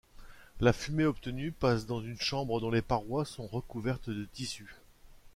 La fumée obtenue passe dans une chambre dont les parois sont recouvertes de tissus.